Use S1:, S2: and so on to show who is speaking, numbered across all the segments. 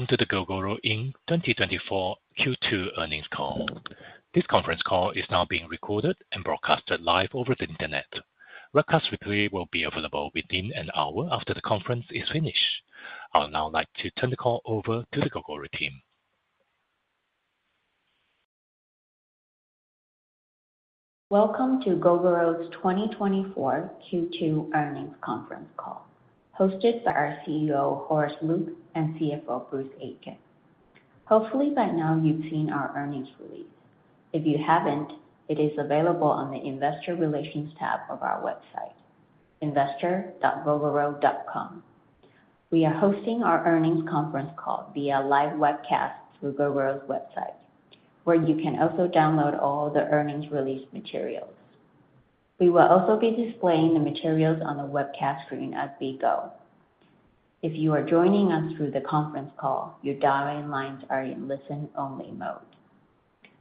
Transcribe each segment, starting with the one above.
S1: Welcome to the Gogoro Inc. 2024 Q2 earnings call. This conference call is now being recorded and broadcasted live over the internet. Webcast replay will be available within an hour after the conference is finished. I would now like to turn the call over to the Gogoro team.
S2: Welcome to Gogoro's 2024 Q2 earnings conference call, hosted by our CEO, Horace Luke, and CFO, Bruce Aitken. Hopefully, by now you've seen our earnings release. If you haven't, it is available on the Investor Relations tab of our website, investor.gogoro.com. We are hosting our earnings conference call via live webcast through Gogoro's website, where you can also download all the earnings release materials. We will also be displaying the materials on the webcast screen as we go. If you are joining us through the conference call, your dial-in lines are in listen-only mode.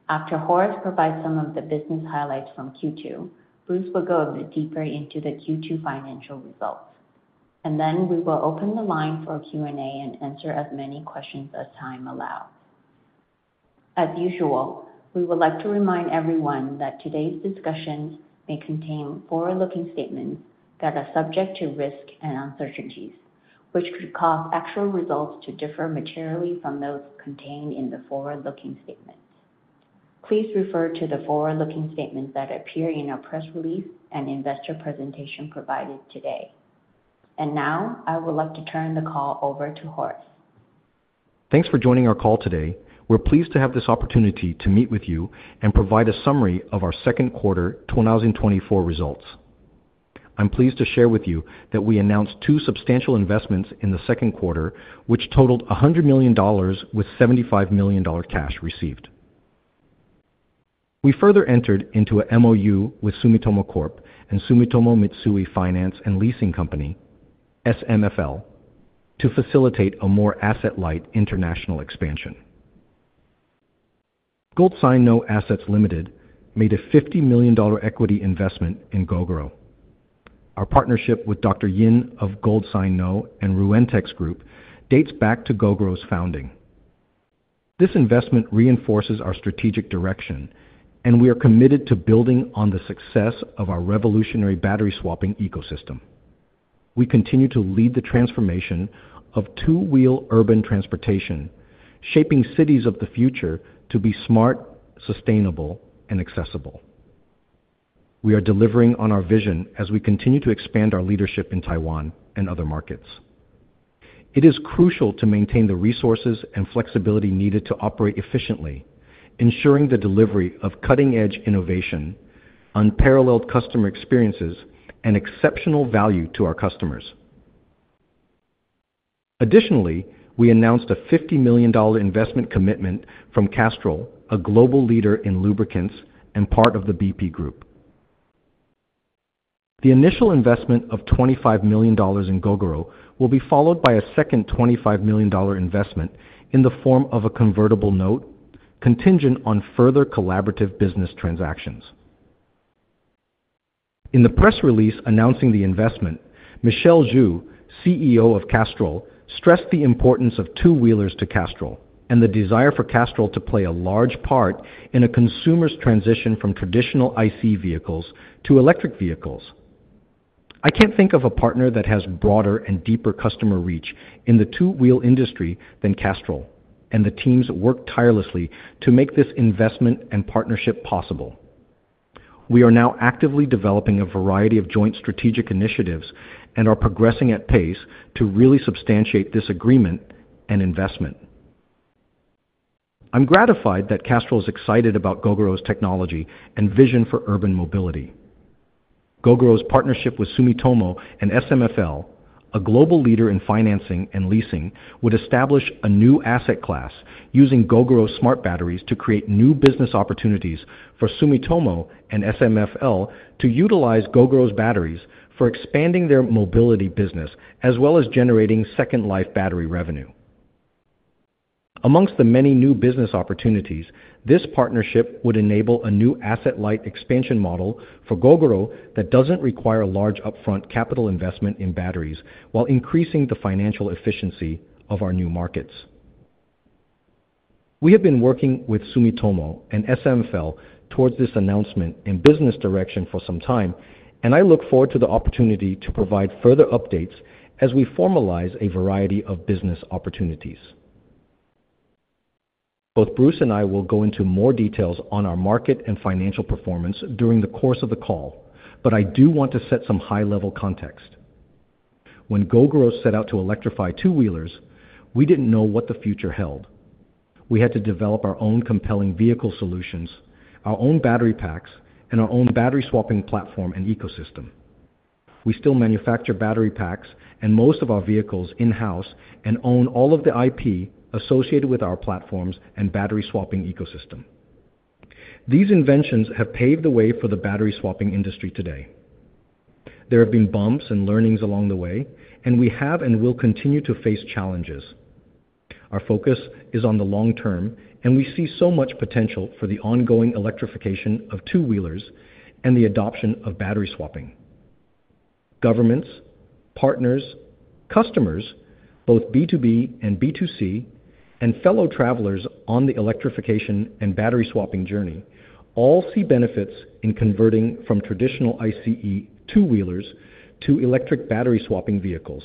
S2: After Horace provides some of the business highlights from Q2, Bruce will go a bit deeper into the Q2 financial results, and then we will open the line for Q&A and answer as many questions as time allows. As usual, we would like to remind everyone that today's discussions may contain forward-looking statements that are subject to risk and uncertainties, which could cause actual results to differ materially from those contained in the forward-looking statements. Please refer to the forward-looking statements that appear in our press release and investor presentation provided today. And now, I would like to turn the call over to Horace.
S3: Thanks for joining our call today. We're pleased to have this opportunity to meet with you and provide a summary of our second quarter 2024 results. I'm pleased to share with you that we announced two substantial investments in the second quarter, which totaled $100 million with $75 million cash received. We further entered into a MOU with Sumitomo Corp and Sumitomo Mitsui Finance and Leasing Company, SMFL, to facilitate a more asset-light international expansion. Gold Sino Assets Limited made a $50 million equity investment in Gogoro. Our partnership with Dr. Yin of Gold Sino and Ruentex Group dates back to Gogoro's founding. This investment reinforces our strategic direction, and we are committed to building on the success of our revolutionary battery-swapping ecosystem. We continue to lead the transformation of two-wheel urban transportation, shaping cities of the future to be smart, sustainable, and accessible. We are delivering on our vision as we continue to expand our leadership in Taiwan and other markets. It is crucial to maintain the resources and flexibility needed to operate efficiently, ensuring the delivery of cutting-edge innovation, unparalleled customer experiences, and exceptional value to our customers. Additionally, we announced a $50 million investment commitment from Castrol, a global leader in lubricants and part of the BP Group. The initial investment of $25 million in Gogoro will be followed by a second $25 million investment in the form of a convertible note, contingent on further collaborative business transactions. In the press release announcing the investment, Michelle Jou, CEO of Castrol, stressed the importance of two-wheelers to Castrol and the desire for Castrol to play a large part in a consumer's transition from traditional ICE vehicles to electric vehicles. I can't think of a partner that has broader and deeper customer reach in the two-wheel industry than Castrol, and the teams worked tirelessly to make this investment and partnership possible. We are now actively developing a variety of joint strategic initiatives and are progressing at pace to really substantiate this agreement and investment. I'm gratified that Castrol is excited about Gogoro's technology and vision for urban mobility. Gogoro's partnership with Sumitomo and SMFL, a global leader in financing and leasing, would establish a new asset class using Gogoro's smart batteries to create new business opportunities for Sumitomo and SMFL to utilize Gogoro's batteries for expanding their mobility business, as well as generating second-life battery revenue. Among the many new business opportunities, this partnership would enable a new asset-light expansion model for Gogoro that doesn't require large upfront capital investment in batteries, while increasing the financial efficiency of our new markets. We have been working with Sumitomo and SMFL towards this announcement and business direction for some time, and I look forward to the opportunity to provide further updates as we formalize a variety of business opportunities. Both Bruce and I will go into more details on our market and financial performance during the course of the call, but I do want to set some high-level context. When Gogoro set out to electrify two-wheelers, we didn't know what the future held. We had to develop our own compelling vehicle solutions, our own battery packs, and our own battery-swapping platform and ecosystem. We still manufacture battery packs and most of our vehicles in-house, and own all of the IP associated with our platforms and battery-swapping ecosystem. These inventions have paved the way for the battery-swapping industry today. There have been bumps and learnings along the way, and we have and will continue to face challenges. Our focus is on the long term, and we see so much potential for the ongoing electrification of two-wheelers and the adoption of battery swapping.... Governments, partners, customers, both B2B and B2C, and fellow travelers on the electrification and battery swapping journey, all see benefits in converting from traditional ICE two-wheelers to electric battery swapping vehicles.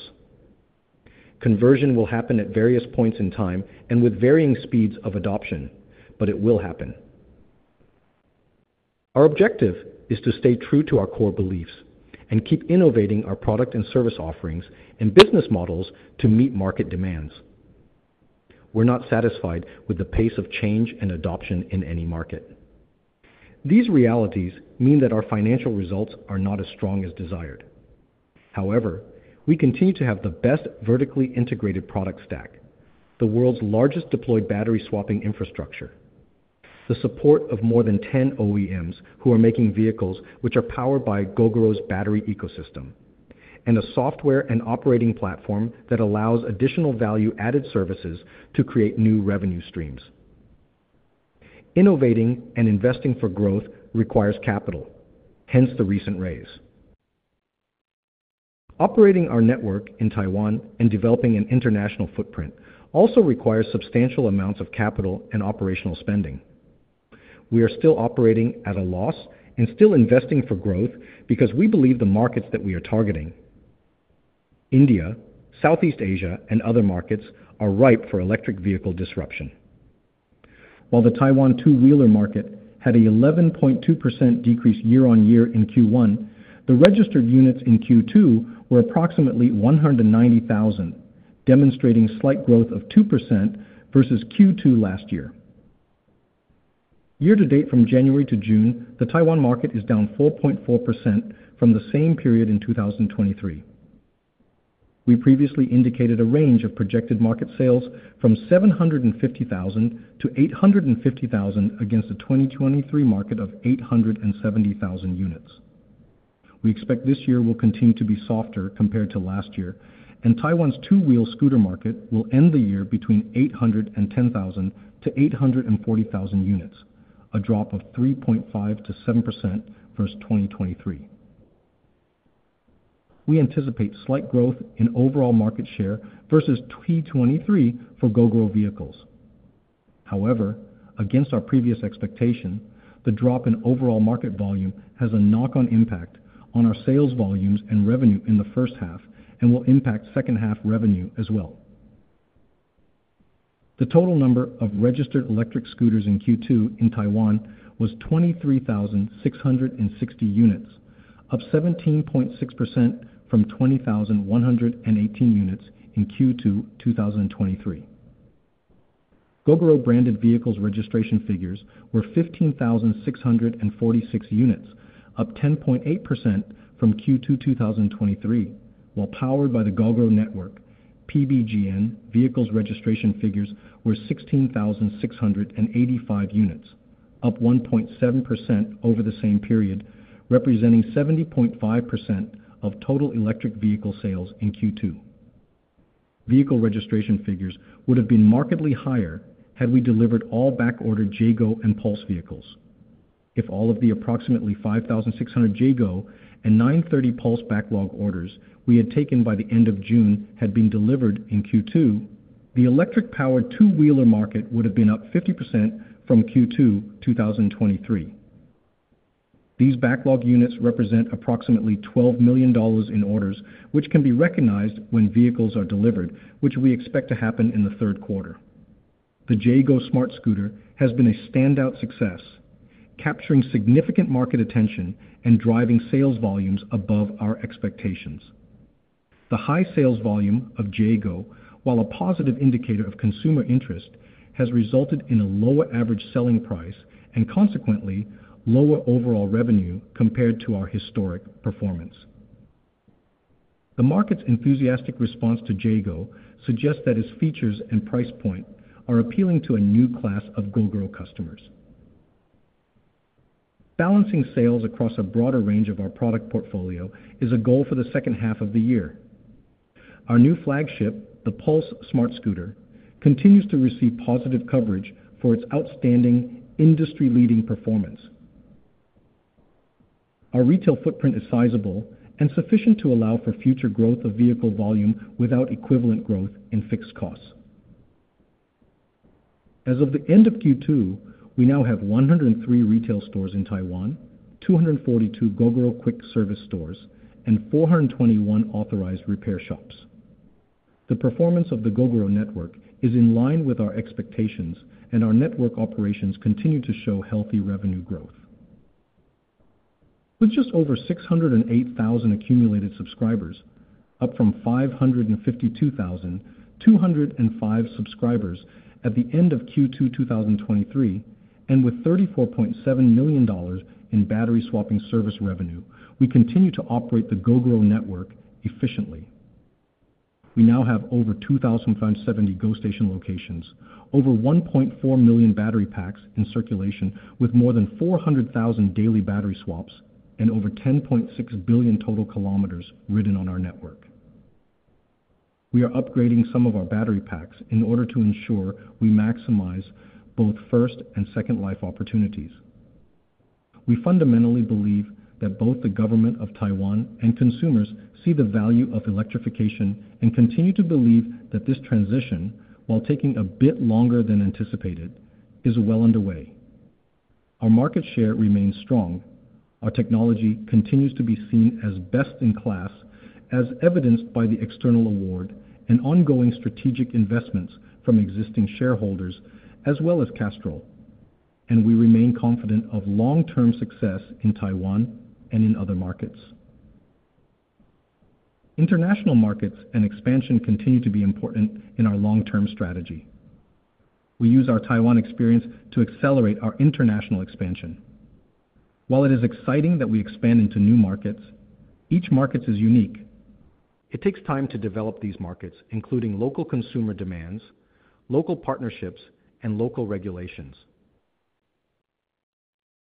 S3: Conversion will happen at various points in time and with varying speeds of adoption, but it will happen. Our objective is to stay true to our core beliefs and keep innovating our product and service offerings and business models to meet market demands. We're not satisfied with the pace of change and adoption in any market. These realities mean that our financial results are not as strong as desired. However, we continue to have the best vertically integrated product stack, the world's largest deployed battery swapping infrastructure, the support of more than 10 OEMs who are making vehicles which are powered by Gogoro's battery ecosystem, and a software and operating platform that allows additional value-added services to create new revenue streams. Innovating and investing for growth requires capital, hence the recent raise. Operating our network in Taiwan and developing an international footprint also requires substantial amounts of capital and operational spending. We are still operating at a loss and still investing for growth because we believe the markets that we are targeting, India, Southeast Asia, and other markets, are ripe for electric vehicle disruption. While the Taiwan two-wheeler market had an 11.2% decrease year-on-year in Q1, the registered units in Q2 were approximately 190,000, demonstrating slight growth of 2% versus Q2 last year. Year-to-date, from January to June, the Taiwan market is down 4.4% from the same period in 2023. We previously indicated a range of projected market sales from 750,000 to 850,000 against a 2023 market of 870,000 units. We expect this year will continue to be softer compared to last year, and Taiwan's two-wheel scooter market will end the year between 810,000-840,000 units, a drop of 3.5%-7% versus 2023. We anticipate slight growth in overall market share versus 2023 for Gogoro vehicles. However, against our previous expectation, the drop in overall market volume has a knock-on impact on our sales volumes and revenue in the first half and will impact second-half revenue as well. The total number of registered electric scooters in Q2 in Taiwan was 23,660 units, up 17.6% from 20,118 units in Q2 2023. Gogoro-branded vehicles registration figures were 15,646 units, up 10.8% from Q2 2023, while Powered by the Gogoro Network, PBGN, vehicles registration figures were 16,685 units, up 1.7% over the same period, representing 70.5% of total electric vehicle sales in Q2. Vehicle registration figures would have been markedly higher had we delivered all back-ordered JEGO and Pulse vehicles. If all of the approximately 5,600 JEGO and 930 Pulse backlog orders we had taken by the end of June had been delivered in Q2, the electric-powered two-wheeler market would have been up 50% from Q2 2023. These backlog units represent approximately $12 million in orders, which can be recognized when vehicles are delivered, which we expect to happen in the third quarter. The JEGO Smartscooter has been a standout success, capturing significant market attention and driving sales volumes above our expectations. The high sales volume of JEGO, while a positive indicator of consumer interest, has resulted in a lower average selling price and consequently lower overall revenue compared to our historic performance. The market's enthusiastic response to JEGO suggests that its features and price point are appealing to a new class of Gogoro customers. Balancing sales across a broader range of our product portfolio is a goal for the second half of the year. Our new flagship, the Pulse Smartscooter, continues to receive positive coverage for its outstanding industry-leading performance. Our retail footprint is sizable and sufficient to allow for future growth of vehicle volume without equivalent growth in fixed costs. As of the end of Q2, we now have 103 retail stores in Taiwan, 242 Gogoro quick service stores, and 421 authorized repair shops. The performance of the Gogoro Network is in line with our expectations, and our network operations continue to show healthy revenue growth. With just over 608,000 accumulated subscribers, up from 552,205 subscribers at the end of Q2 2023, and with $34.7 million in battery swapping service revenue, we continue to operate the Gogoro Network efficiently. We now have over 2,070 GoStation locations, over 1.4 million battery packs in circulation, with more than 400,000 daily battery swaps and over 10.6 billion total kilometers ridden on our network. We are upgrading some of our battery packs in order to ensure we maximize both first and second life opportunities. We fundamentally believe that both the government of Taiwan and consumers see the value of electrification, and continue to believe that this transition, while taking a bit longer than anticipated, is well underway. Our market share remains strong. Our technology continues to be seen as best-in-class, as evidenced by the external award and ongoing strategic investments from existing shareholders, as well as Castrol, and we remain confident of long-term success in Taiwan and in other markets. International markets and expansion continue to be important in our long-term strategy. We use our Taiwan experience to accelerate our international expansion. While it is exciting that we expand into new markets, each market is unique. It takes time to develop these markets, including local consumer demands, local partnerships, and local regulations.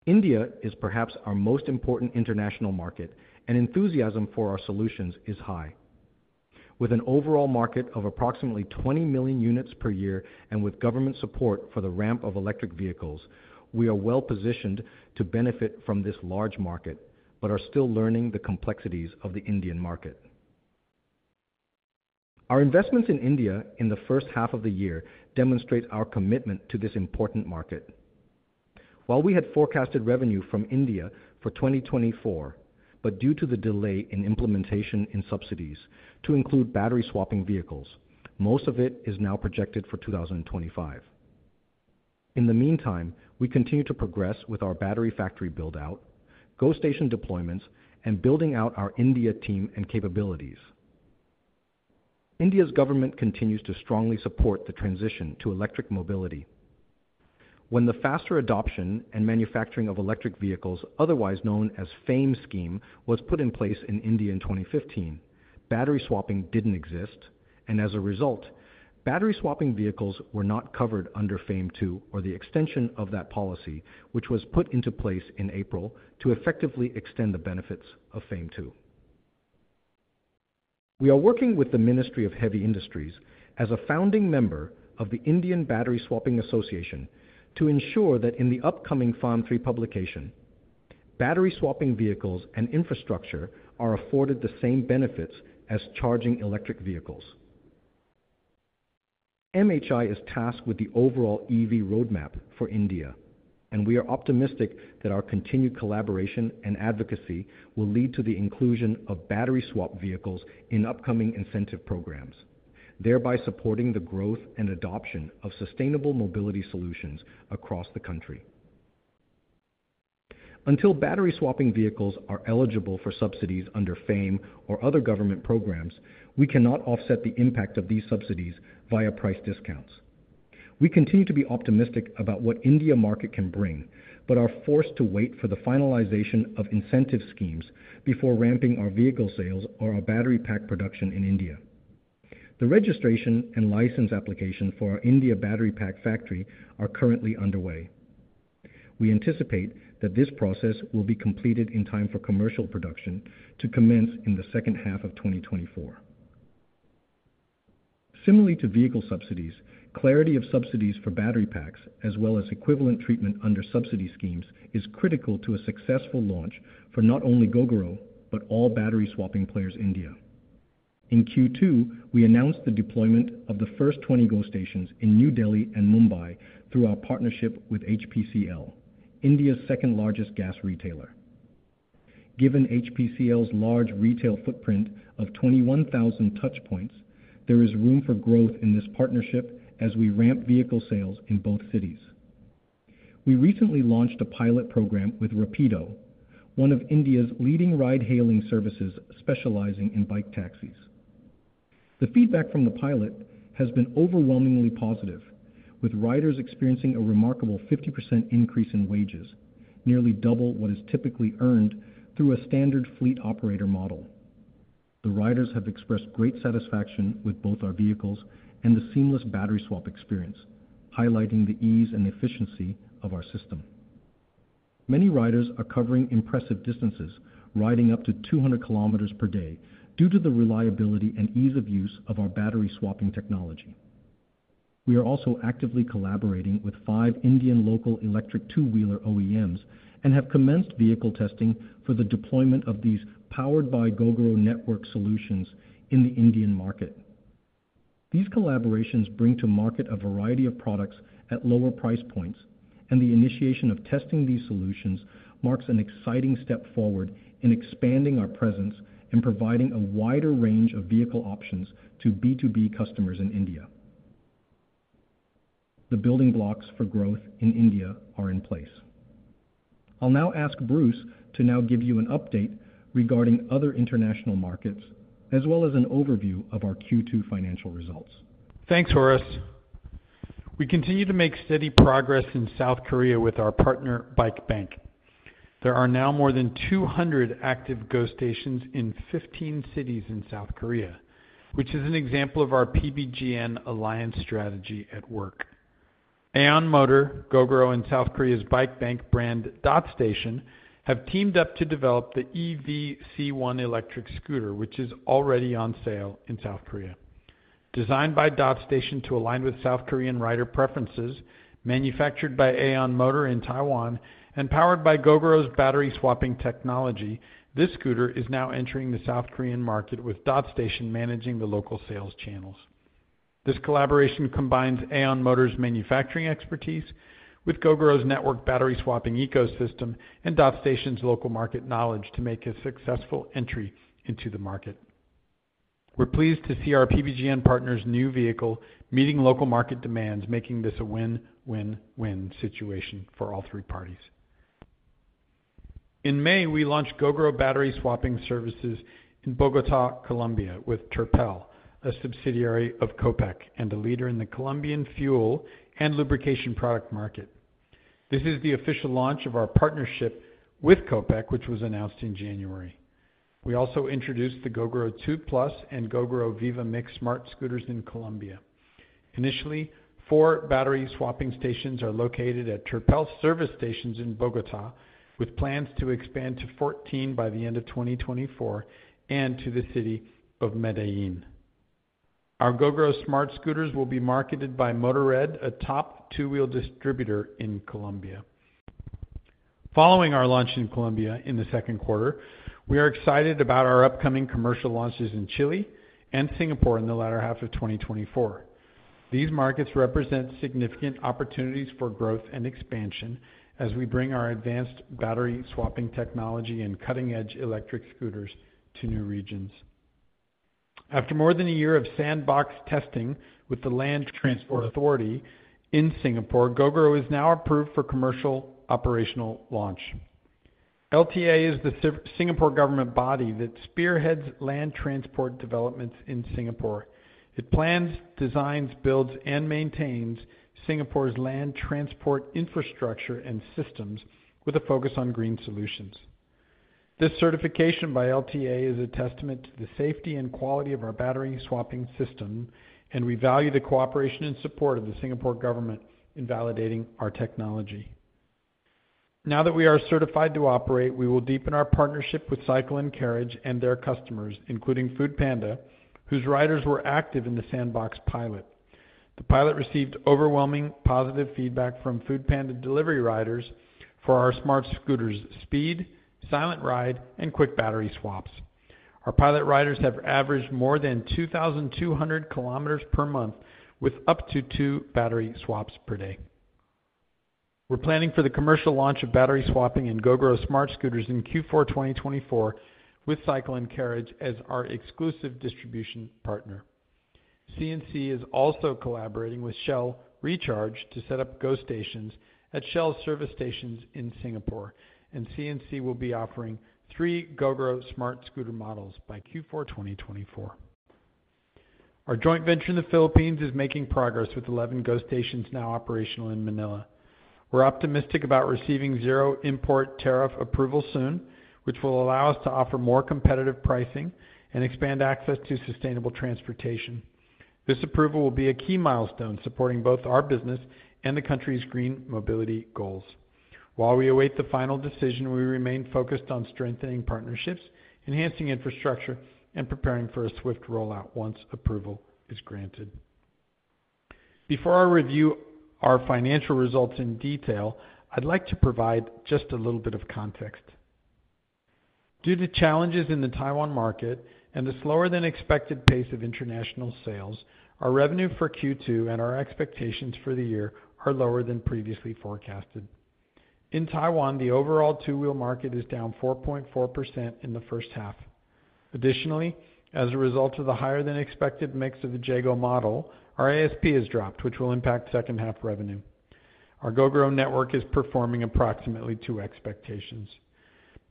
S3: India is perhaps our most important international market, and enthusiasm for our solutions is high. With an overall market of approximately 20 million units per year, and with government support for the ramp of electric vehicles, we are well-positioned to benefit from this large market, but are still learning the complexities of the Indian market. Our investments in India in the first half of the year demonstrate our commitment to this important market. While we had forecasted revenue from India for 2024, but due to the delay in implementation in subsidies to include battery-swapping vehicles, most of it is now projected for 2025. In the meantime, we continue to progress with our battery factory build-out, GoStation deployments, and building out our India team and capabilities. India's government continues to strongly support the transition to electric mobility. When the Faster Adoption and Manufacturing of Electric Vehicles, otherwise known as FAME scheme, was put in place in India in 2015, battery swapping didn't exist, and as a result, battery-swapping vehicles were not covered under FAME II or the extension of that policy, which was put into place in April to effectively extend the benefits of FAME II. We are working with the Ministry of Heavy Industries as a founding member of the Indian Battery Swapping Association to ensure that in the upcoming FAME III publication, battery-swapping vehicles and infrastructure are afforded the same benefits as charging electric vehicles. MHI is tasked with the overall EV roadmap for India, and we are optimistic that our continued collaboration and advocacy will lead to the inclusion of battery-swap vehicles in upcoming incentive programs, thereby supporting the growth and adoption of sustainable mobility solutions across the country. Until battery-swapping vehicles are eligible for subsidies under FAME or other government programs, we cannot offset the impact of these subsidies via price discounts. We continue to be optimistic about what India market can bring, but are forced to wait for the finalization of incentive schemes before ramping our vehicle sales or our battery pack production in India. The registration and license application for our India battery pack factory are currently underway. We anticipate that this process will be completed in time for commercial production to commence in the second half of 2024. Similarly to vehicle subsidies, clarity of subsidies for battery packs, as well as equivalent treatment under subsidy schemes, is critical to a successful launch for not only Gogoro, but all battery-swapping players, India. In Q2, we announced the deployment of the first 20 GoStations in New Delhi and Mumbai through our partnership with HPCL, India's second-largest gas retailer. Given HPCL's large retail footprint of 21,000 touchpoints, there is room for growth in this partnership as we ramp vehicle sales in both cities. We recently launched a pilot program with Rapido, one of India's leading ride-hailing services specializing in bike taxis. The feedback from the pilot has been overwhelmingly positive, with riders experiencing a remarkable 50% increase in wages, nearly double what is typically earned through a standard fleet operator model. The riders have expressed great satisfaction with both our vehicles and the seamless battery swap experience, highlighting the ease and efficiency of our system. Many riders are covering impressive distances, riding up to 200 km per day due to the reliability and ease of use of our battery-swapping technology. We are also actively collaborating with five Indian local electric two-wheeler OEMs, and have commenced vehicle testing for the deployment of these Powered by Gogoro Network solutions in the Indian market. These collaborations bring to market a variety of products at lower price points, and the initiation of testing these solutions marks an exciting step forward in expanding our presence and providing a wider range of vehicle options to B2B customers in India. The building blocks for growth in India are in place. I'll now ask Bruce to give you an update regarding other international markets, as well as an overview of our Q2 financial results.
S4: Thanks, Horace. We continue to make steady progress in South Korea with our partner, Bikebank. There are now more than 200 active GoStations in 15 cities in South Korea, which is an example of our PBGN alliance strategy at work. Aeon Motor, Gogoro, and South Korea's Bikebank brand, Dotstation, have teamed up to develop the EV-C1 electric scooter, which is already on sale in South Korea. Designed by Dotstation to align with South Korean rider preferences, manufactured by Aeon Motor in Taiwan, and powered by Gogoro's battery swapping technology, this scooter is now entering the South Korean market, with Dotstation managing the local sales channels. This collaboration combines Aeon Motor's manufacturing expertise with Gogoro's network battery swapping ecosystem and Dotstation's local market knowledge to make a successful entry into the market. We're pleased to see our PBGN partner's new vehicle meeting local market demands, making this a win-win-win situation for all three parties. In May, we launched Gogoro battery swapping services in Bogotá, Colombia, with Terpel, a subsidiary of Copec, and a leader in the Colombian fuel and lubrication product market. This is the official launch of our partnership with Copec, which was announced in January. We also introduced the Gogoro 2 Plus and Gogoro VIVA MIX Smartscooters in Colombia. Initially, 4 battery swapping stations are located at Terpel service stations in Bogotá, with plans to expand to 14 by the end of 2024 and to the city of Medellín. Our Gogoro Smartscooters will be marketed by Motored, a top two-wheel distributor in Colombia. Following our launch in Colombia in the second quarter, we are excited about our upcoming commercial launches in Chile and Singapore in the latter half of 2024. These markets represent significant opportunities for growth and expansion as we bring our advanced battery swapping technology and cutting-edge electric scooters to new regions. After more than a year of sandbox testing with the Land Transport Authority in Singapore, Gogoro is now approved for commercial operational launch. LTA is the Singapore government body that spearheads land transport developments in Singapore. It plans, designs, builds, and maintains Singapore's land transport infrastructure and systems with a focus on green solutions. This certification by LTA is a testament to the safety and quality of our battery swapping system, and we value the cooperation and support of the Singapore government in validating our technology. Now that we are certified to operate, we will deepen our partnership with Cycle & Carriage and their customers, including foodpanda, whose riders were active in the Sandbox pilot. The pilot received overwhelming positive feedback from foodpanda delivery riders for our Smartscooters' speed, silent ride, and quick battery swaps. Our pilot riders have averaged more than 2,200 km per month, with up to 2 battery swaps per day. We're planning for the commercial launch of battery swapping and Gogoro Smartscooters in Q4 2024 with Cycle & Carriage as our exclusive distribution partner. C&C is also collaborating with Shell Recharge to set up GoStations at Shell's service stations in Singapore, and C&C will be offering 3 Gogoro Smartscooter models by Q4 2024. Our joint venture in the Philippines is making progress, with 11 GoStations now operational in Manila. We're optimistic about receiving zero import tariff approval soon, which will allow us to offer more competitive pricing and expand access to sustainable transportation. This approval will be a key milestone, supporting both our business and the country's green mobility goals. While we await the final decision, we remain focused on strengthening partnerships, enhancing infrastructure, and preparing for a swift rollout once approval is granted. Before I review our financial results in detail, I'd like to provide just a little bit of context. Due to challenges in the Taiwan market and the slower-than-expected pace of international sales, our revenue for Q2 and our expectations for the year are lower than previously forecasted. In Taiwan, the overall two-wheel market is down 4.4% in the first half. Additionally, as a result of the higher-than-expected mix of the JEGO model, our ASP has dropped, which will impact second half revenue. Our Gogoro Network is performing approximately to expectations.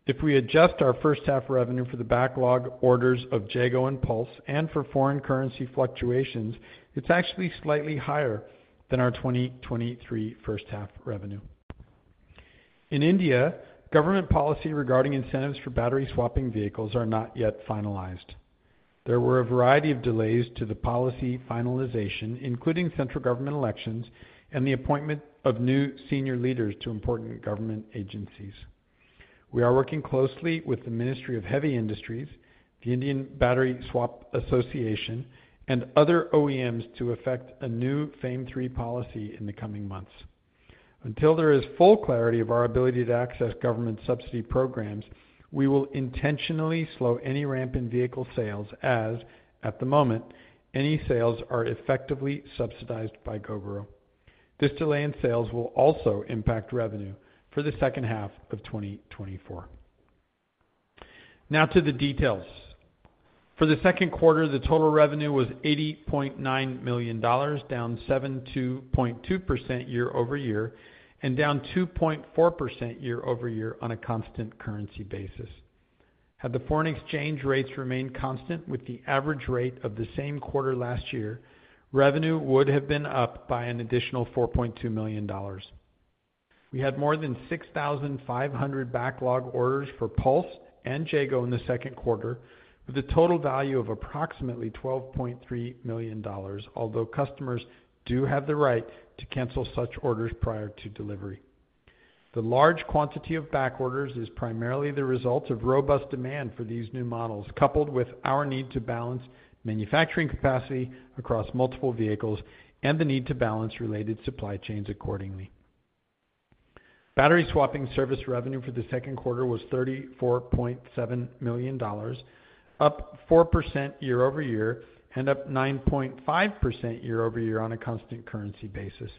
S4: If we adjust our first half revenue for the backlog orders of Jego and Pulse and for foreign currency fluctuations, it's actually slightly higher than our 2023 first half revenue. In India, government policy regarding incentives for battery swapping vehicles are not yet finalized. There were a variety of delays to the policy finalization, including central government elections and the appointment of new senior leaders to important government agencies. We are working closely with the Ministry of Heavy Industries, the Indian Battery Swapping Association, and other OEMs to effect a new FAME III policy in the coming months. Until there is full clarity of our ability to access government subsidy programs, we will intentionally slow any ramp in vehicle sales as, at the moment, any sales are effectively subsidized by Gogoro. This delay in sales will also impact revenue for the second half of 2024. Now to the details. For the second quarter, the total revenue was $80.9 million, down 7.2% year-over-year, and down 2.4% year-over-year on a constant currency basis. Had the foreign exchange rates remained constant with the average rate of the same quarter last year, revenue would have been up by an additional $4.2 million.... We had more than 6,500 backlog orders for Pulse and JEGO in the second quarter, with a total value of approximately $12.3 million. Although customers do have the right to cancel such orders prior to delivery. The large quantity of back orders is primarily the result of robust demand for these new models, coupled with our need to balance manufacturing capacity across multiple vehicles and the need to balance related supply chains accordingly. Battery swapping service revenue for the second quarter was $34.7 million, up 4% year-over-year and up 9.5% year-over-year on a constant currency basis.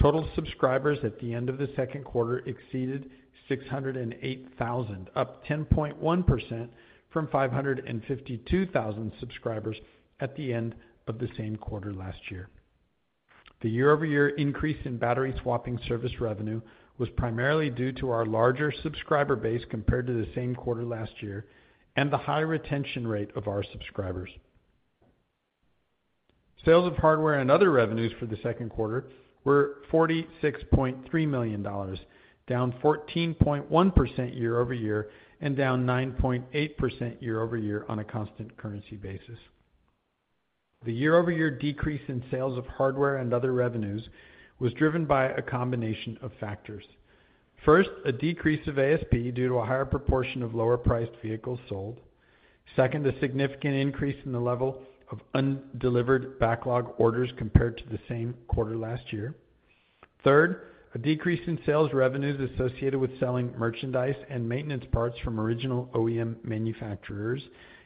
S4: Total subscribers at the end of the second quarter exceeded 608,000, up 10.1% from 552,000 subscribers at the end of the same quarter last year. The year-over-year increase in battery swapping service revenue was primarily due to our larger subscriber base compared to the same quarter last year, and the high retention rate of our subscribers. Sales of hardware and other revenues for the second quarter were $46.3 million, down 14.1% year-over-year and down 9.8% year-over-year on a constant currency basis. The year-over-year decrease in sales of hardware and other revenues was driven by a combination of factors. First, a decrease of ASP due to a higher proportion of lower-priced vehicles sold. Second, a significant increase in the level of undelivered backlog orders compared to the same quarter last year. Third, a decrease in sales revenues associated with selling merchandise and maintenance parts from original OEM manufacturers.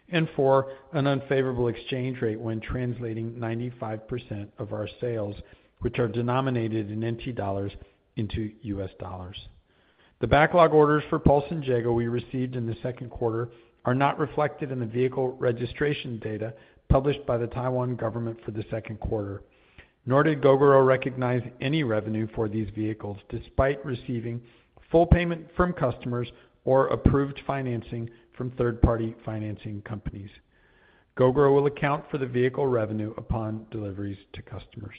S4: And 4, an unfavorable exchange rate when translating 95% of our sales, which are denominated in NT dollars into US dollars. The backlog orders for Pulse and JEGO we received in the second quarter are not reflected in the vehicle registration data published by the Taiwan government for the second quarter, nor did Gogoro recognize any revenue for these vehicles, despite receiving full payment from customers or approved financing from third-party financing companies. Gogoro will account for the vehicle revenue upon deliveries to customers.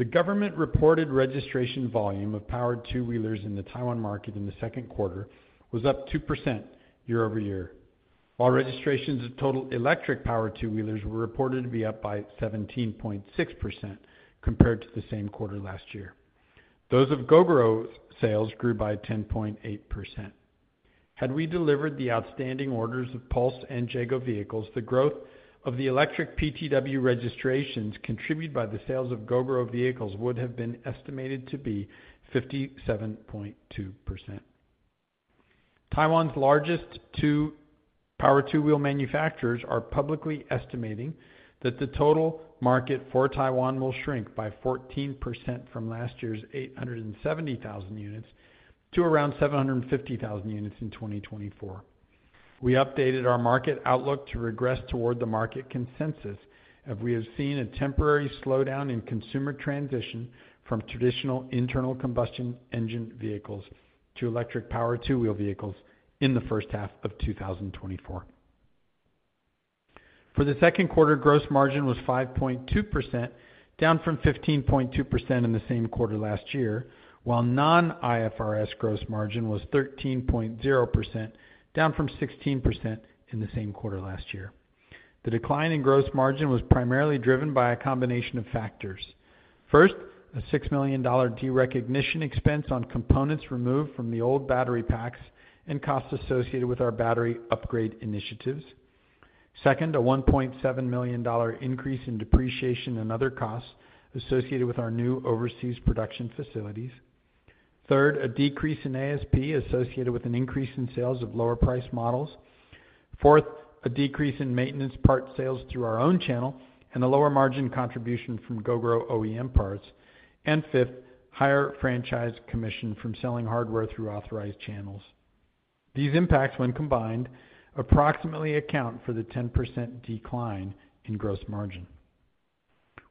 S4: The government-reported registration volume of powered two-wheelers in the Taiwan market in the second quarter was up 2% year-over-year, while registrations of total electric-powered two-wheelers were reported to be up by 17.6% compared to the same quarter last year. Those of Gogoro's sales grew by 10.8%. Had we delivered the outstanding orders of Pulse and JEGO vehicles, the growth of the electric PTW registrations contributed by the sales of Gogoro vehicles would have been estimated to be 57.2%. Taiwan's largest powered two-wheel manufacturers are publicly estimating that the total market for Taiwan will shrink by 14% from last year's 870,000 units to around 750,000 units in 2024. We updated our market outlook to regress toward the market consensus, as we have seen a temporary slowdown in consumer transition from traditional internal combustion engine vehicles to electric powered two-wheel vehicles in the first half of 2024. For the second quarter, gross margin was 5.2%, down from 15.2% in the same quarter last year, while non-IFRS gross margin was 13.0%, down from 16% in the same quarter last year. The decline in gross margin was primarily driven by a combination of factors. First, a $6 million derecognition expense on components removed from the old battery packs and costs associated with our battery upgrade initiatives. Second, a $1.7 million increase in depreciation and other costs associated with our new overseas production facilities. Third, a decrease in ASP associated with an increase in sales of lower-priced models. Fourth, a decrease in maintenance part sales through our own channel and a lower margin contribution from Gogoro OEM parts. And fifth, higher franchise commission from selling hardware through authorized channels. These impacts, when combined, approximately account for the 10% decline in gross margin.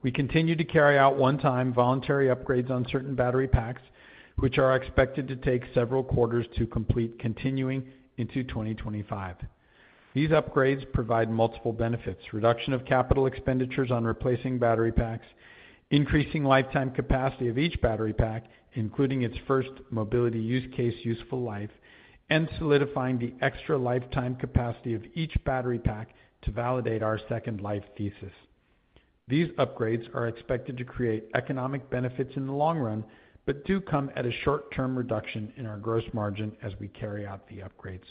S4: We continue to carry out one-time voluntary upgrades on certain battery packs, which are expected to take several quarters to complete, continuing into 2025. These upgrades provide multiple benefits, reduction of capital expenditures on replacing battery packs, increasing lifetime capacity of each battery pack, including its first mobility use case useful life, and solidifying the extra lifetime capacity of each battery pack to validate our second life thesis. These upgrades are expected to create economic benefits in the long run, but do come at a short-term reduction in our gross margin as we carry out the upgrades.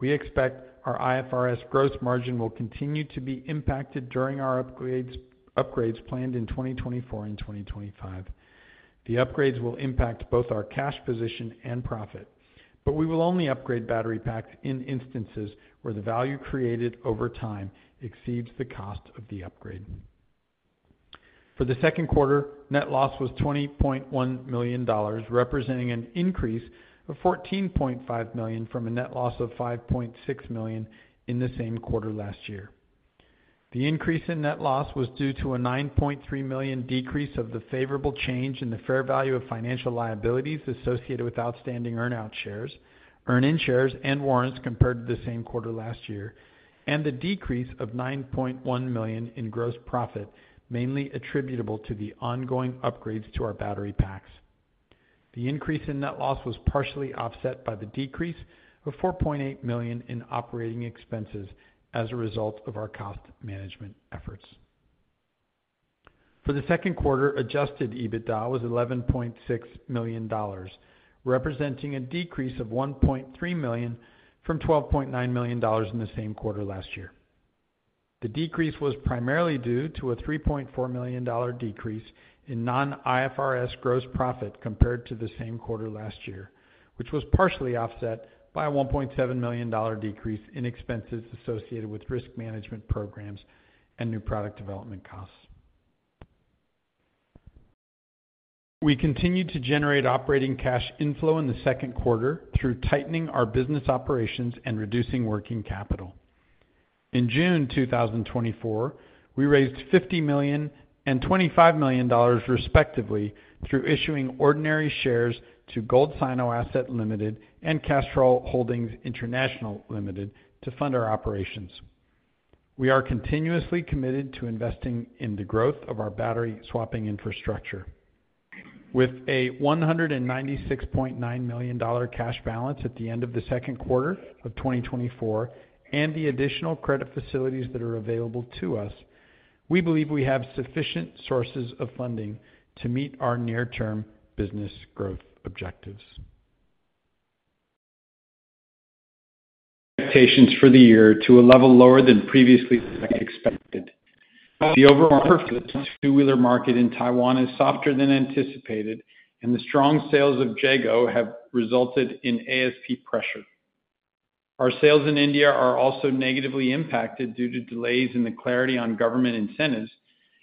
S4: We expect our IFRS gross margin will continue to be impacted during our upgrades, upgrades planned in 2024 and 2025. The upgrades will impact both our cash position and profit, but we will only upgrade battery packs in instances where the value created over time exceeds the cost of the upgrade. For the second quarter, net loss was $20.1 million, representing an increase of $14.5 million from a net loss of $5.6 million in the same quarter last year. The increase in net loss was due to a $9.3 million decrease of the favorable change in the fair value of financial liabilities associated with outstanding earn-out shares, earn-in shares, and warrants compared to the same quarter last year, and the decrease of $9.1 million in gross profit, mainly attributable to the ongoing upgrades to our battery packs. The increase in net loss was partially offset by the decrease of $4.8 million in operating expenses as a result of our cost management efforts. For the second quarter, adjusted EBITDA was $11.6 million, representing a decrease of $1.3 million from $12.9 million in the same quarter last year. The decrease was primarily due to a $3.4 million decrease in non-IFRS gross profit compared to the same quarter last year, which was partially offset by a $1.7 million decrease in expenses associated with risk management programs and new product development costs. We continued to generate operating cash inflow in the second quarter through tightening our business operations and reducing working capital. In June 2024, we raised $50 million and $25 million, respectively, through issuing ordinary shares to Gold Sino Assets Limited and Castrol Holdings International Limited to fund our operations. We are continuously committed to investing in the growth of our battery swapping infrastructure. With a $196.9 million cash balance at the end of the second quarter of 2024, and the additional credit facilities that are available to us, we believe we have sufficient sources of funding to meet our near-term business growth objectives. Expectations for the year to a level lower than previously expected. The overall two-wheeler market in Taiwan is softer than anticipated, and the strong sales of JEGO have resulted in ASP pressure. Our sales in India are also negatively impacted due to delays in the clarity on government incentives,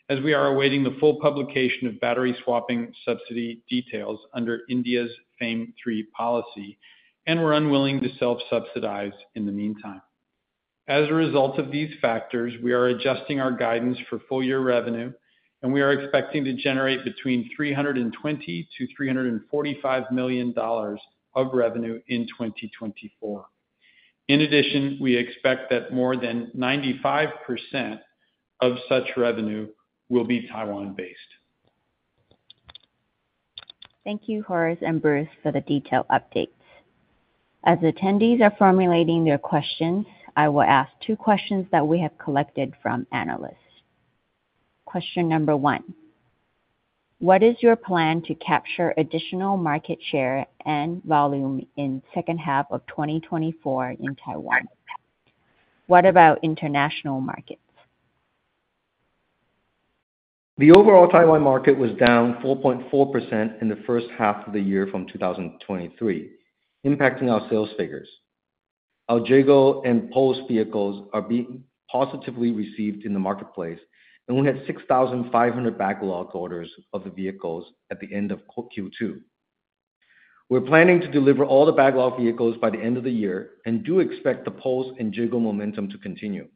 S4: as we are awaiting the full publication of battery swapping subsidy details under India's FAME III policy, and we're unwilling to self-subsidize in the meantime. As a result of these factors, we are adjusting our guidance for full-year revenue, and we are expecting to generate between $320 million-$345 million of revenue in 2024. In addition, we expect that more than 95% of such revenue will be Taiwan-based.
S2: Thank you, Horace and Bruce, for the detailed updates. As attendees are formulating their questions, I will ask two questions that we have collected from analysts. Question number one: What is your plan to capture additional market share and volume in second half of 2024 in Taiwan? What about international markets?
S3: The overall Taiwan market was down 4.4% in the first half of the year from 2023, impacting our sales figures. Our JEGO and Pulse vehicles are being positively received in the marketplace, and we had 6,500 backlog orders of the vehicles at the end of Q2. We're planning to deliver all the backlog vehicles by the end of the year and do expect the Pulse and JEGO momentum to continue.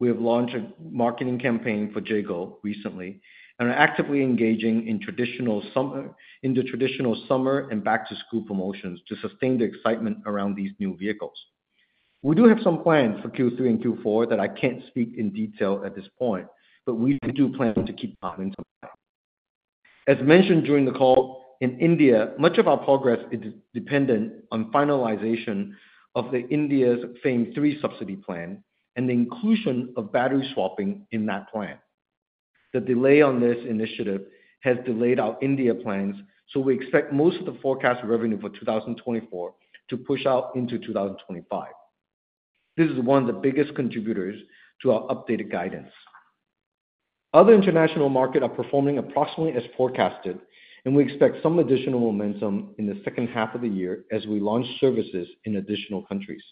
S3: We have launched a marketing campaign for JEGO recently and are actively engaging in traditional summer and back-to-school promotions to sustain the excitement around these new vehicles. We do have some plans for Q3 and Q4 that I can't speak in detail at this point, but we do plan to keep adding to that. As mentioned during the call, in India, much of our progress is dependent on finalization of India's FAME III subsidy plan and the inclusion of battery swapping in that plan. The delay on this initiative has delayed our India plans, so we expect most of the forecast revenue for 2024 to push out into 2025. This is one of the biggest contributors to our updated guidance. Other international markets are performing approximately as forecasted, and we expect some additional momentum in the second half of the year as we launch services in additional countries.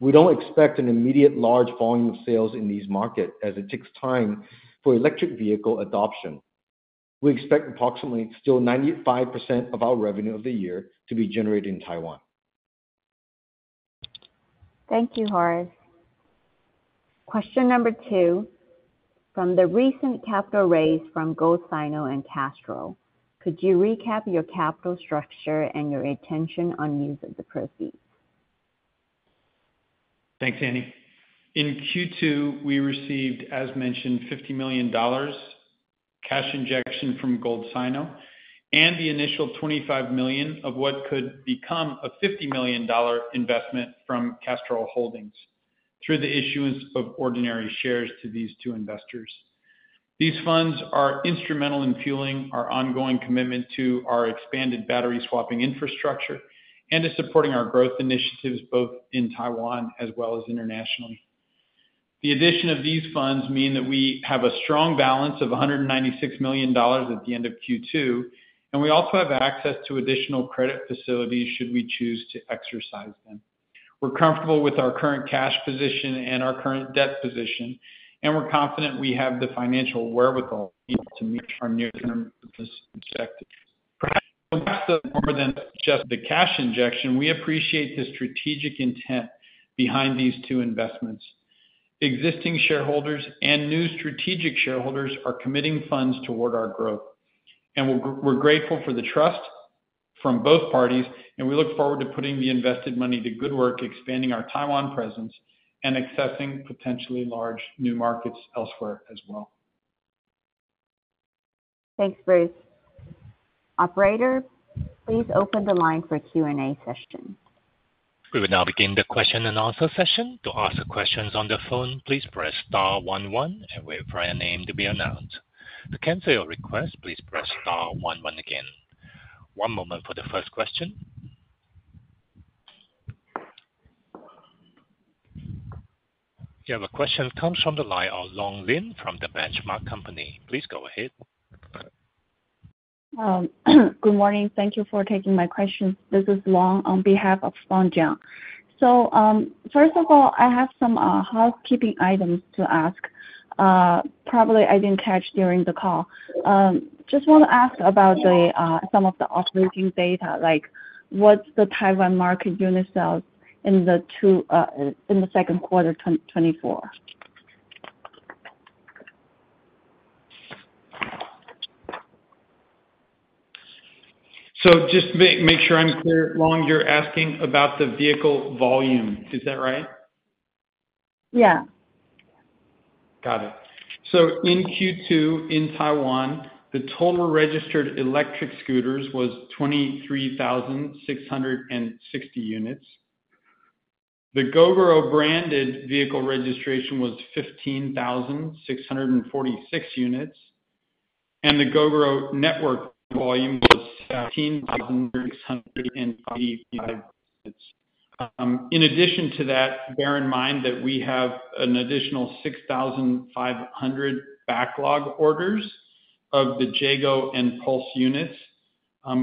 S3: We don't expect an immediate large volume of sales in these markets, as it takes time for electric vehicle adoption. We expect approximately still 95% of our revenue of the year to be generated in Taiwan.
S2: Thank you, Horace. Question number two, from the recent capital raise from Gold Sino and Castrol, could you recap your capital structure and your intention on use of the proceeds?
S4: Thanks, Anny. In Q2, we received, as mentioned, $50 million cash injection from Gold Sino, and the initial $25 million of what could become a $50 million investment from Castrol Holdings through the issuance of ordinary shares to these two investors. These funds are instrumental in fueling our ongoing commitment to our expanded battery swapping infrastructure and is supporting our growth initiatives, both in Taiwan as well as internationally. The addition of these funds mean that we have a strong balance of $196 million at the end of Q2, and we also have access to additional credit facilities should we choose to exercise them. We're comfortable with our current cash position and our current debt position, and we're confident we have the financial wherewithal to meet our near-term business objectives. More than just the cash injection, we appreciate the strategic intent behind these two investments. Existing shareholders and new strategic shareholders are committing funds toward our growth, and we're grateful for the trust from both parties, and we look forward to putting the invested money to good work, expanding our Taiwan presence, and accessing potentially large new markets elsewhere as well.
S2: Thanks, Bruce. Operator, please open the line for Q&A session.
S1: We will now begin the question and answer session. To ask questions on the phone, please press star one one and wait for your name to be announced. To cancel your request, please press star one one again. One moment for the first question. You have a question comes from the line of Long Lin from The Benchmark Company. Please go ahead.
S5: Good morning. Thank you for taking my questions. This is Long Lin on behalf of Fawne Jiang. So, first of all, I have some housekeeping items to ask. Probably I didn't catch during the call. Just wanna ask about the some of the operating data, like, what's the Taiwan market unit sales in the two in the second quarter 2024?
S4: So just to make sure I'm clear, Long, you're asking about the vehicle volume, is that right?
S5: Yeah.
S4: Got it. So in Q2, in Taiwan, the total registered electric scooters was 23,600 units. The Gogoro branded vehicle registration was 15,646 units, and the Gogoro Network volume was 17,645 units. In addition to that, bear in mind that we have an additional 6,500 backlog orders of the JEGO and Pulse units,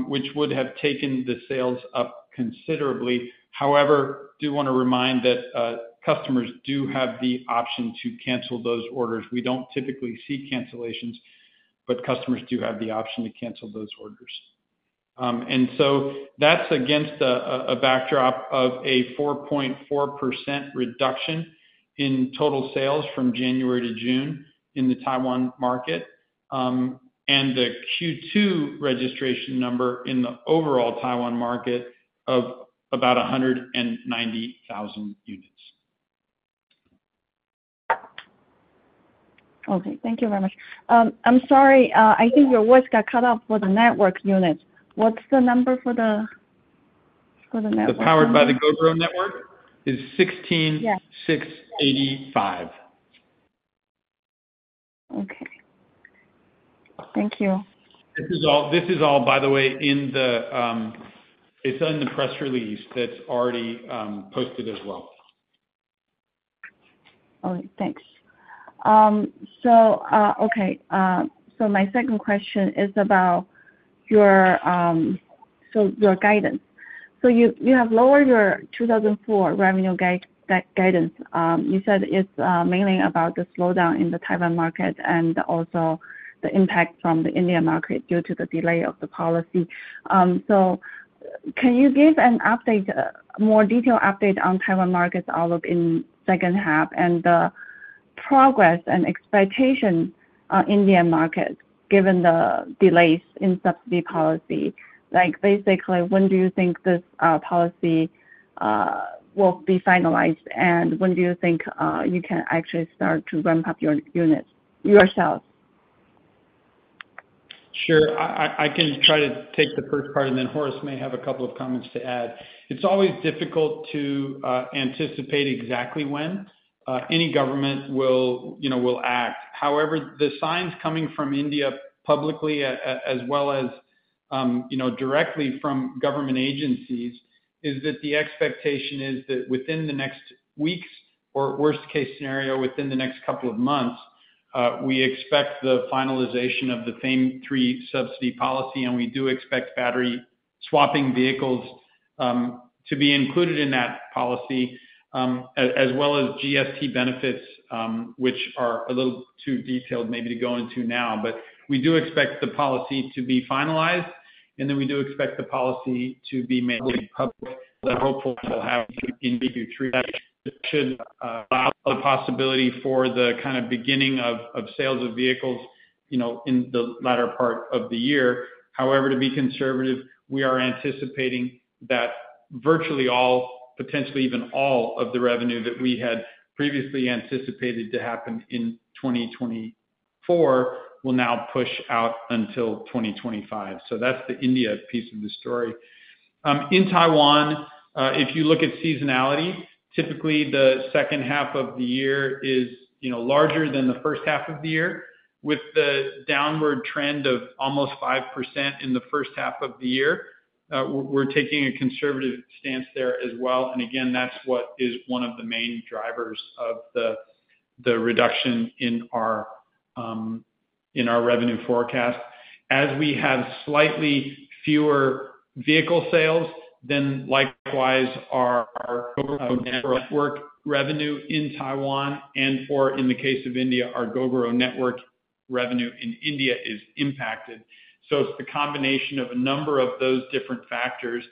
S4: which would have taken the sales up considerably. However, I do wanna remind that, customers do have the option to cancel those orders. We don't typically see cancellations, but customers do have the option to cancel those orders. That's against a backdrop of a 4.4% reduction in total sales from January to June in the Taiwan market, and the Q2 registration number in the overall Taiwan market of about 190,000 units.
S5: Okay. Thank you very much. I'm sorry, I think your voice got cut off for the network units. What's the number for the, for the network?
S4: The Powered by the Gogoro Network? Is 16-
S5: Yeah.
S4: 16,685.
S5: Okay. Thank you.
S4: This is all, this is all, by the way, in the, it's in the press release that's already, posted as well.
S5: All right, thanks. So, okay, so my second question is about your, so your guidance. So you, you have lowered your 2024 revenue guidance. You said it's mainly about the slowdown in the Taiwan market and also the impact from the India market due to the delay of the policy. So can you give an update, more detailed update on Taiwan markets, all of in second half, and the progress and expectation on Indian market, given the delays in subsidy policy? Like, basically, when do you think this, policy, will be finalized, and when do you think, you can actually start to ramp up your units yourself?
S4: Sure. I can try to take the first part, and then Horace may have a couple of comments to add. It's always difficult to anticipate exactly when any government will, you know, will act. However, the signs coming from India publicly, as well as, you know, directly from government agencies, is that the expectation is that within the next weeks, or worst case scenario, within the next couple of months, we expect the finalization of the FAME III subsidy policy, and we do expect battery swapping vehicles to be included in that policy, as well as GST benefits, which are a little too detailed maybe to go into now. But we do expect the policy to be finalized, and then we do expect the policy to be made public. We're hopeful we'll have in due time, it should allow the possibility for the kind of beginning of sales of vehicles, you know, in the latter part of the year. However, to be conservative, we are anticipating that virtually all, potentially even all, of the revenue that we had previously anticipated to happen in 2024 will now push out until 2025. So that's the India piece of the story. In Taiwan, if you look at seasonality, typically the second half of the year is, you know, larger than the first half of the year, with the downward trend of almost 5% in the first half of the year. We're taking a conservative stance there as well. And again, that's what is one of the main drivers of the reduction in our revenue forecast. As we have slightly fewer vehicle sales, then likewise, our Gogoro Network revenue in Taiwan, and for in the case of India, our Gogoro Network revenue in India is impacted. So it's a combination of a number of those different factors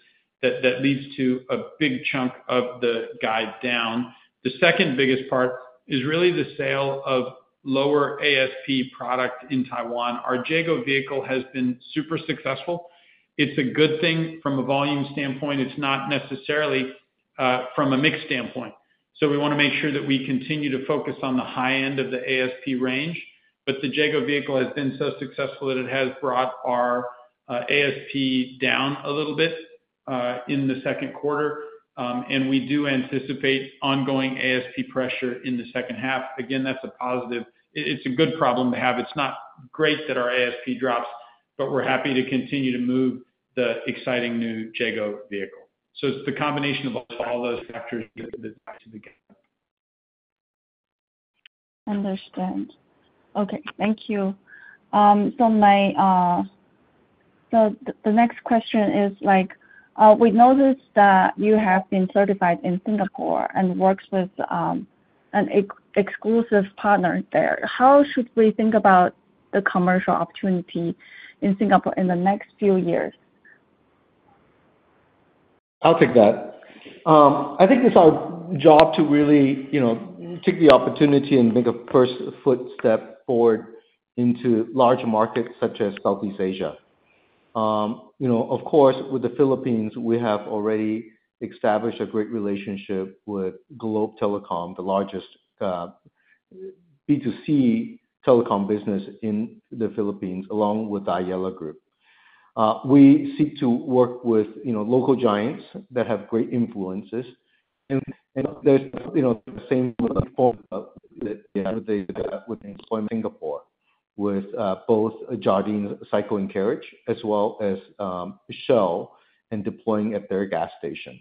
S4: that leads to a big chunk of the guide down. The second biggest part is really the sale of lower ASP product in Taiwan. Our JEGO vehicle has been super successful. It's a good thing from a volume standpoint, it's not necessarily from a mix standpoint. So we wanna make sure that we continue to focus on the high end of the ASP range. But the JEGO vehicle has been so successful that it has brought our ASP down a little bit in the second quarter. And we do anticipate ongoing ASP pressure in the second half. Again, that's a positive. It, it's a good problem to have. It's not great that our ASP drops, but we're happy to continue to move the exciting new JEGO vehicle. So it's the combination of all those factors that-
S5: Understood. Okay, thank you. So the next question is, like, we noticed that you have been certified in Singapore and works with an exclusive partner there. How should we think about the commercial opportunity in Singapore in the next few years?
S3: I'll take that. I think it's our job to really, you know, take the opportunity and make a first footstep forward into larger markets such as Southeast Asia. You know, of course, with the Philippines, we have already established a great relationship with Globe Telecom, the largest B2C telecom business in the Philippines, along with the Ayala Group. We seek to work with, you know, local giants that have great influences, and, and there's, you know, the same with Singapore, with both Jardine Cycle & Carriage, as well as Shell, and deploying at their gas station.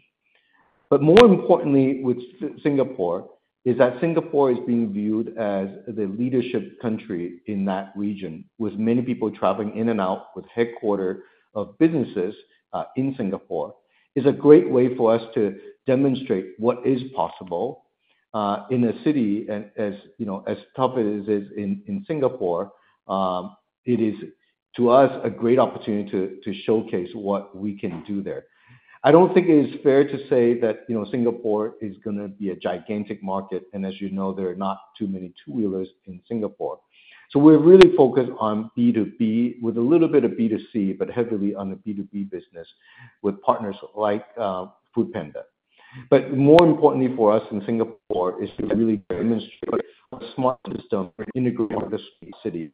S3: But more importantly with Singapore, is that Singapore is being viewed as the leadership country in that region, with many people traveling in and out, with headquarters of businesses in Singapore. It's a great way for us to demonstrate what is possible in a city and as, you know, as tough it is in Singapore, it is, to us, a great opportunity to showcase what we can do there. I don't think it is fair to say that, you know, Singapore is gonna be a gigantic market, and as you know, there are not too many two-wheelers in Singapore. So we're really focused on B2B with a little bit of B2C, but heavily on the B2B business with partners like foodpanda. But more importantly for us in Singapore is to really demonstrate a smart system for integrated city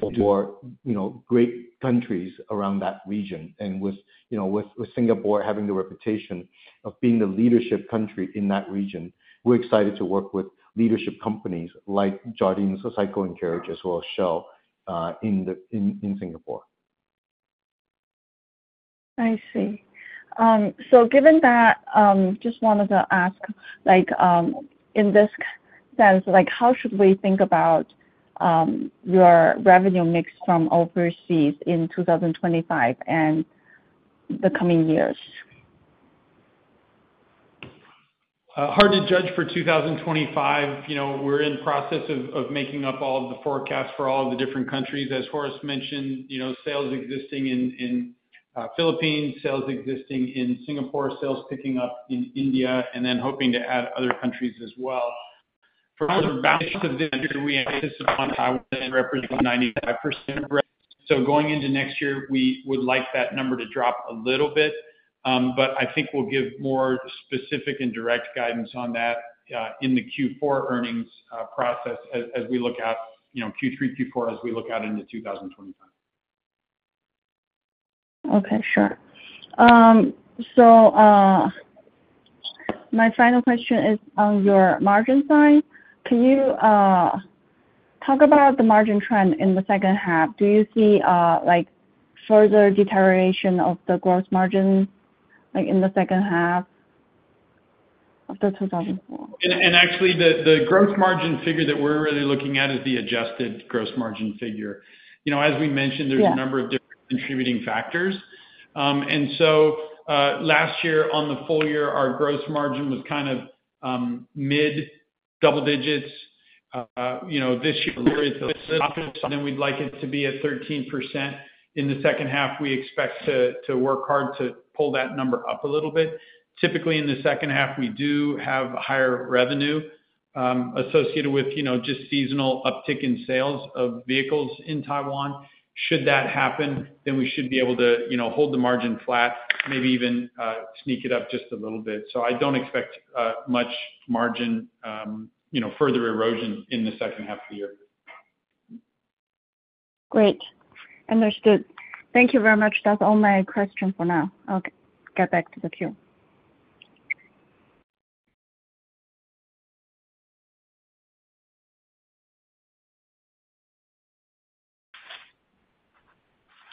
S3: for, you know, great countries around that region. With, you know, Singapore having the reputation of being the leadership country in that region, we're excited to work with leadership companies like Jardine's Cycle & Carriage, as well as Shell, in Singapore.
S5: I see. So given that, just wanted to ask, like, in this sense, like, how should we think about your revenue mix from overseas in 2025 and the coming years?
S4: Hard to judge for 2025. You know, we're in the process of making up all of the forecasts for all of the different countries. As Horace mentioned, you know, sales existing in the Philippines, sales existing in Singapore, sales picking up in India, and then hoping to add other countries as well. For the balance of the year, we anticipate representing 95% of revenue. So going into next year, we would like that number to drop a little bit. But I think we'll give more specific and direct guidance on that in the Q4 earnings process as we look out, you know, Q3, Q4, as we look out into 2025.
S5: Okay, sure. So, my final question is on your margin side. Can you talk about the margin trend in the second half? Do you see, like, further deterioration of the gross margin, like, in the second half of 2024?
S4: Actually, the gross margin figure that we're really looking at is the adjusted gross margin figure. You know, as we mentioned-
S5: Yeah
S4: There's a number of different contributing factors. And so, last year, on the full year, our gross margin was kind of, mid-double digits. You know, this year then we'd like it to be at 13%. In the second half, we expect to, to work hard to pull that number up a little bit. Typically, in the second half, we do have higher revenue, associated with, you know, just seasonal uptick in sales of vehicles in Taiwan. Should that happen, then we should be able to, you know, hold the margin flat, maybe even, sneak it up just a little bit. So I don't expect, much margin, you know, further erosion in the second half of the year.
S5: Great. Understood. Thank you very much. That's all my question for now. I'll get back to the queue.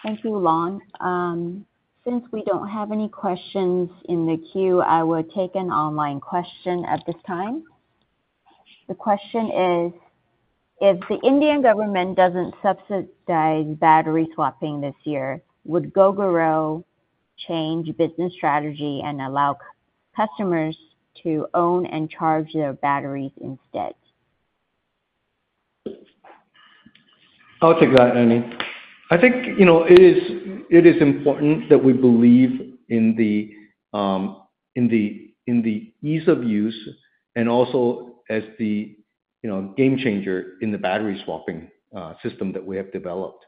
S2: Thank you, Long. Since we don't have any questions in the queue, I will take an online question at this time. The question is: If the Indian government doesn't subsidize battery swapping this year, would Gogoro change business strategy and allow customers to own and charge their batteries instead?
S3: I'll take that, Anny. I think, you know, it is important that we believe in the ease of use, and also as the you know, game changer in the battery swapping system that we have developed.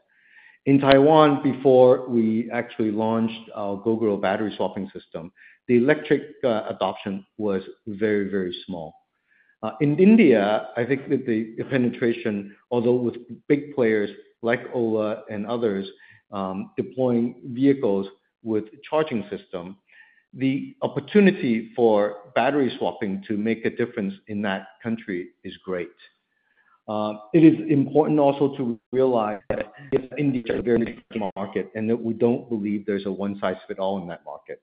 S3: In Taiwan, before we actually launched our Gogoro battery swapping system, the electric adoption was very, very small. In India, I think that the penetration, although with big players like Ola and others, deploying vehicles with charging system, the opportunity for battery swapping to make a difference in that country is great. It is important also to realize that India is a very big market, and that we don't believe there's a one-size-fit-all in that market.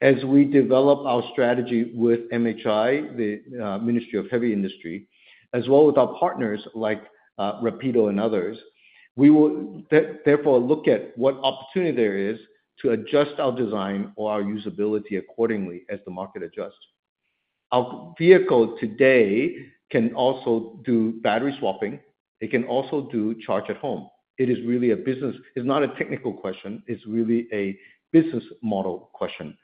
S3: As we develop our strategy with MHI, the Ministry of Heavy Industries, as well as with our partners like Rapido and others, we will therefore look at what opportunity there is to adjust our design or our usability accordingly as the market adjusts. Our vehicle today can also do battery swapping. It can also do charge at home. It is really a business... It's not a technical question. It's really a business model question.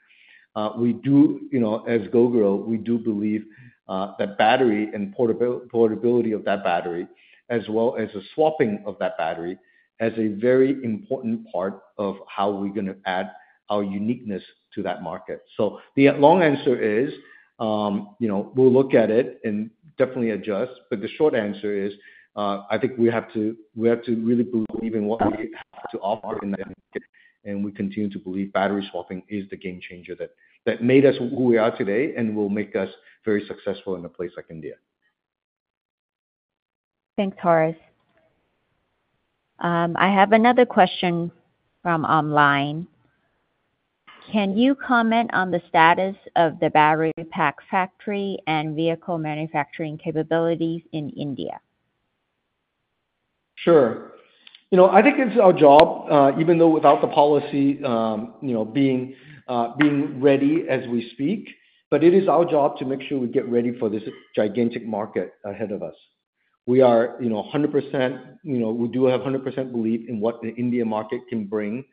S3: We do, you know, as Gogoro, we do believe that battery and portability of that battery, as well as the swapping of that battery, as a very important part of how we're gonna add our uniqueness to that market. The long answer is, you know, we'll look at it and definitely adjust, but the short answer is, I think we have to, we have to really believe in what we have to offer in that market, and we continue to believe battery swapping is the game changer that made us who we are today and will make us very successful in a place like India.
S2: Thanks, Horace. I have another question from online. Can you comment on the status of the battery pack factory and vehicle manufacturing capabilities in India?
S3: Sure. You know, I think it's our job, even though without the policy, you know, being ready as we speak, but it is our job to make sure we get ready for this gigantic market ahead of us. We are, you know, 100%... You know, we do have 100% belief in what the India market can bring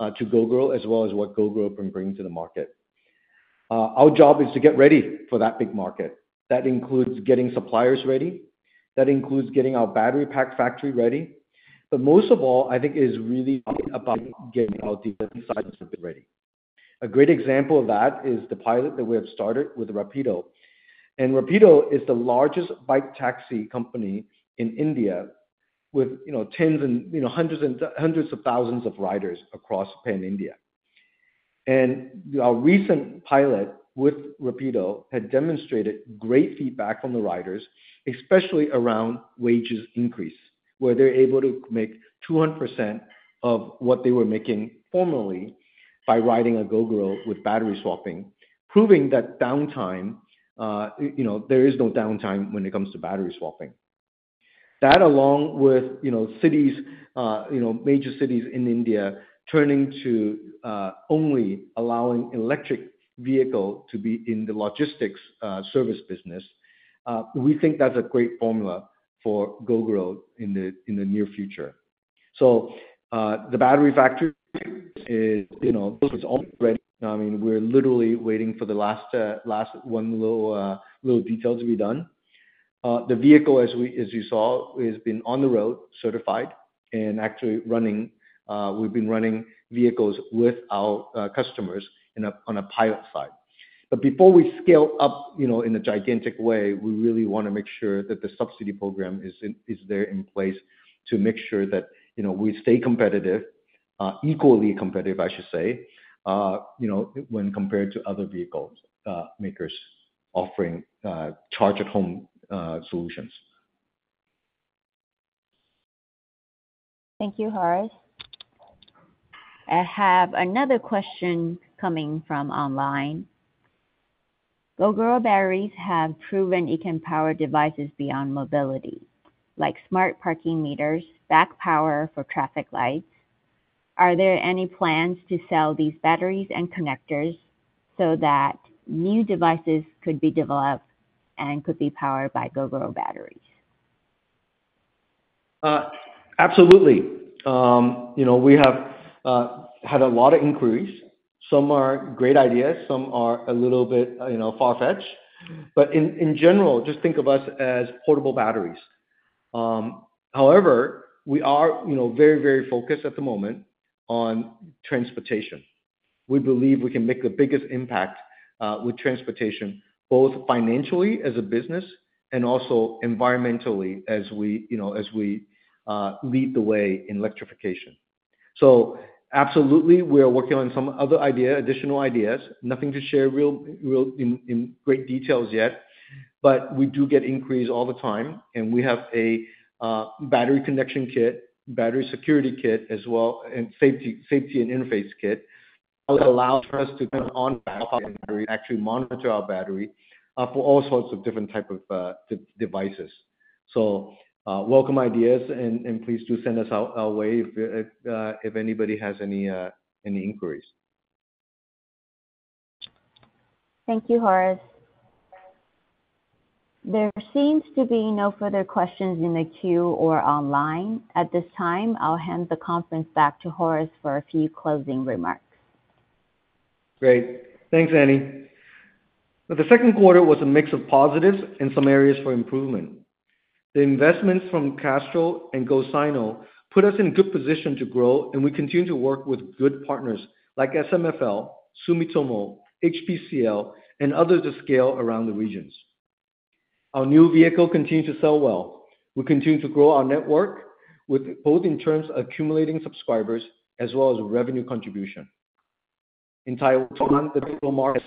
S3: to Gogoro, as well as what Gogoro can bring to the market. Our job is to get ready for that big market. That includes getting suppliers ready. That includes getting our battery pack factory ready. But most of all, I think it is really about getting our different sides of it ready. A great example of that is the pilot that we have started with Rapido. Rapido is the largest bike taxi company in India with, you know, tens and, you know, hundreds and hundreds of thousands of riders across pan-India. And our recent pilot with Rapido had demonstrated great feedback from the riders, especially around wages increase, where they're able to make 200% of what they were making formerly by riding a Gogoro with battery swapping, proving that downtime, you know, there is no downtime when it comes to battery swapping. That, along with, you know, cities, you know, major cities in India turning to only allowing electric vehicle to be in the logistics service business, we think that's a great formula for Gogoro in the near future. So, the battery factory is, you know, almost ready. I mean, we're literally waiting for the last last one little little detail to be done. The vehicle, as we, as you saw, has been on the road, certified and actually running. We've been running vehicles with our customers in a on a pilot side. But before we scale up, you know, in a gigantic way, we really wanna make sure that the subsidy program is in is there in place to make sure that, you know, we stay competitive, equally competitive, I should say, you know, when compared to other vehicles makers offering charge at home solutions.
S2: Thank you, Horace. I have another question coming from online. Gogoro batteries have proven it can power devices beyond mobility, like smart parking meters, backup power for traffic lights. Are there any plans to sell these batteries and connectors so that new devices could be developed and could be powered by Gogoro batteries?
S3: Absolutely. You know, we have had a lot of inquiries. Some are great ideas, some are a little bit, you know, far-fetched, but in general, just think of us as portable batteries. However, we are, you know, very, very focused at the moment on transportation. We believe we can make the biggest impact with transportation, both financially as a business and also environmentally, as we, you know, as we lead the way in electrification. So absolutely, we are working on some other idea, additional ideas. Nothing to share really, really in great detail yet, but we do get inquiries all the time, and we have a battery connection kit, battery security kit as well, and safety and interface kit that allows us to kind of on battery actually monitor our battery for all sorts of different type of devices. So, welcome ideas, and please do send them our way if anybody has any inquiries.
S2: Thank you, Horace. There seems to be no further questions in the queue or online. At this time, I'll hand the conference back to Horace for a few closing remarks.
S3: Great. Thanks, Anny. The second quarter was a mix of positives and some areas for improvement. The investments from Castrol and Gold Sino put us in good position to grow, and we continue to work with good partners like SMFL, Sumitomo, HPCL, and others to scale around the regions. Our new vehicle continue to sell well. We continue to grow our network with both in terms of accumulating subscribers as well as revenue contribution. In Taiwan, the market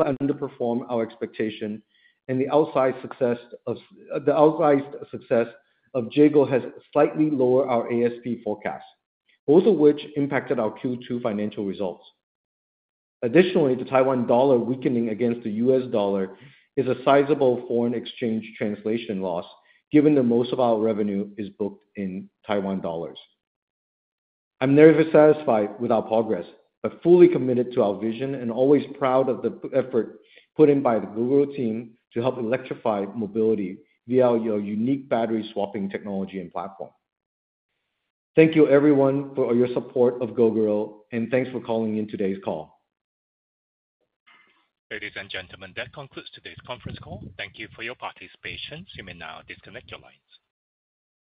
S3: underperformed our expectation and the outsized success of JEGO has slightly lower our ASP forecast, both of which impacted our Q2 financial results. Additionally, the Taiwan dollar weakening against the US dollar is a sizable foreign exchange translation loss, given that most of our revenue is booked in Taiwan dollars. I'm never satisfied with our progress, but fully committed to our vision and always proud of the effort put in by the Gogoro team to help electrify mobility via our unique battery swapping technology and platform. Thank you, everyone, for all your support of Gogoro, and thanks for calling in today's call.
S1: Ladies and gentlemen, that concludes today's conference call. Thank you for your participation. You may now disconnect your lines.